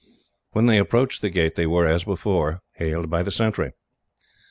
When they approached the gate they were, as before, hailed by the sentry.